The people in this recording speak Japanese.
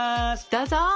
どうぞ。